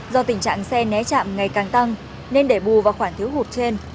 do tình trạng xe né chạm ngày càng tăng nên để bù vào khoản thiếu hụt trên